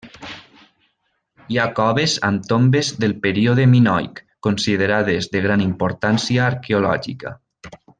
Hi ha coves amb tombes del període minoic, considerades de gran importància arqueològica.